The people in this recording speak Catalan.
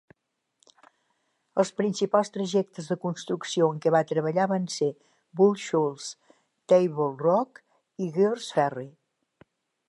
Els principals projectes de construcció en què va treballar van ser Bull Shoals, Table Rock i Greers Ferry.